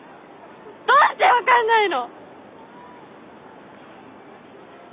どうして分かんないの？